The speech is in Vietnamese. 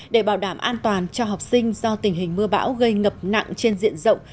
để bảo đảm an toàn cho học sinh do tình hình mưa bão gây ngập nặng trên diện rộng